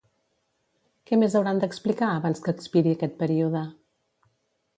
Què més hauran d'explicar abans que expiri aquest període?